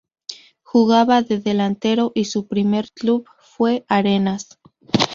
Jugaba de delantero y su primer club fue Arenas.